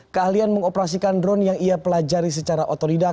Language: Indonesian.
keahlian mengoperasikan drone yang ia pelajari secara otodidak